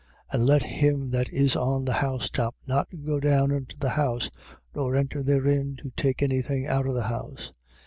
13:15. And let him that is on the housetop not go down into the house nor enter therein to take any thing out of the house.